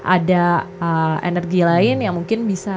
ada energi lain yang mungkin bisa